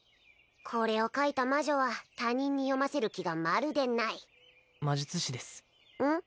これを書いた魔女は他人に読ませる気がまるでない魔術師ですうん？